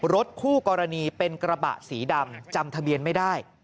รถคู่กรณีเป็นกระบะสีดำจำทะเบียนไม่ได้